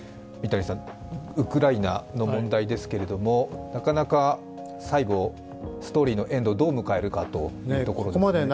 ウクライナの問題ですけれども、なかなか最後、ストーリーのエンドをどう迎えるかというところですね。